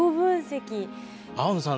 青野さん